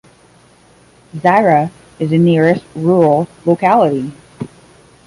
Zarya is the nearest rural locality.